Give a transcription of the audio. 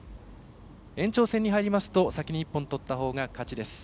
延長戦に入ると先に１本取ったほうが勝ちです。